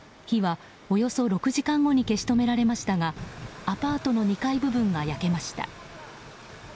火はおよそ６時間後に消し止められましたがアパートの２階部分が焼けました。